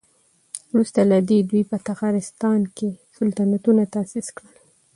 وروسته له دې دوی په تخارستان کې سلطنتونه تاسيس کړل